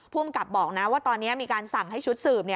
ภูมิกับบอกนะว่าตอนนี้มีการสั่งให้ชุดสืบ